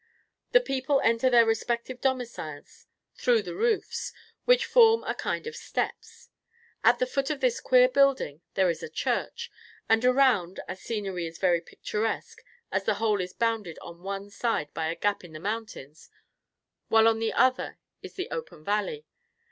The people enter their respective domicils through the roofs, which form a kind of steps. At the foot of this queer building there is a church; and around, the scenery is very picturesque, as the whole is bounded on one side by a gap in the mountains, while on the other is the open valley.